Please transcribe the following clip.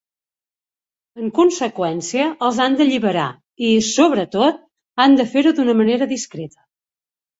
En conseqüència, els han d'alliberar i, sobretot, han de fer-ho d'una manera discreta.